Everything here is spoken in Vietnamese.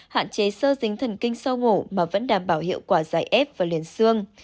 hạn chế sơ dính thần kinh sau mổ mà vẫn đảm bảo hiệu quả giải ép và liền xương